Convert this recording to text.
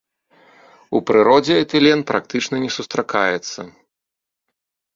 У прыродзе этылен практычна не сустракаецца.